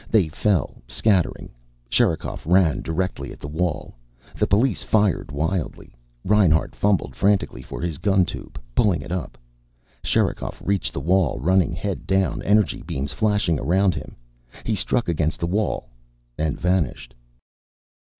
They fell, scattering. Sherikov ran directly at the wall. The police fired wildly. Reinhart fumbled frantically for his gun tube, pulling it up. Sherikov reached the wall, running head down, energy beams flashing around him. He struck against the wall and vanished.